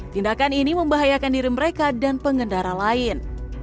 tindakan ini membahayakan diri mereka dan pengendara lain